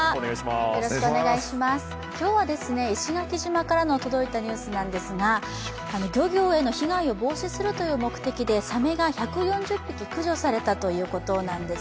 今日は石垣島から届いたニュースなんですが漁業への被害を防止するという目的でサメが１４０匹駆除されたということです。